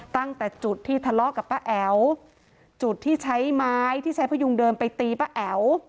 ตั้งแต่จุดที่ทะเลาะกับป้าแอ๋วจุดที่ใช้ไม้ที่ใช้พยุงเดินไปตีป้าแอ๋ว